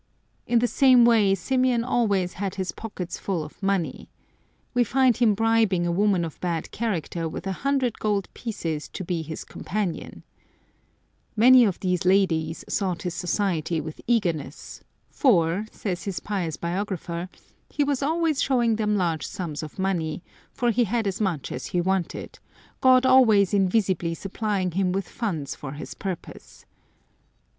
In the same way Symeon always had his pockets full of money. We find him bribing a woman of bad character with a hundred gold pieces to be his companion,^ Many of these ladies sought his society with eager ness, " for," says his pious biographer, " he was always showing them large sums of money, for he had as much as he wanted, God always invisibly supplying him with funds for his purpose."